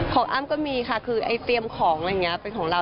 อ้ำก็มีค่ะคือไอ้เตรียมของอะไรอย่างนี้เป็นของเรา